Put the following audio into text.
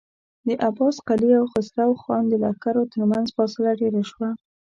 د عباس قلي او خسرو خان د لښکرو تر مينځ فاصله ډېره شوه.